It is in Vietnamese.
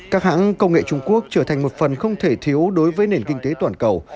các hãng công nghệ trung quốc trở thành một phần không thể thiếu đối với nền kinh tế toàn cầu